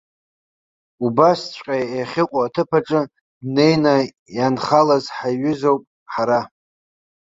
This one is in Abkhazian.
Убасҵәҟьа иахьыҟоу аҭыԥ аҿы днеины ианхалаз ҳаиҩызоуп ҳара.